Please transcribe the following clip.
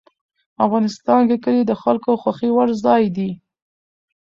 افغانستان کې کلي د خلکو خوښې وړ ځای دی.